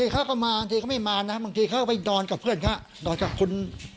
ลูกลีลูกลน